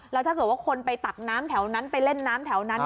แล้วถ้าเกิดว่าคนไปตักน้ำแถวนั้นไปเล่นน้ำแถวนั้น